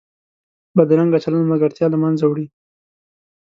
بدرنګه چلند ملګرتیا له منځه وړي